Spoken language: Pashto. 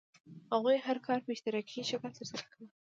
هغوی هر کار په اشتراکي شکل ترسره کاوه.